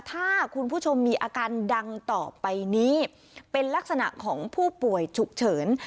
ถ้าคุณผู้ชมมีอาการดังต่อไปนี้เป็นลักษณะของผู้ป่วยฉุกเฉิน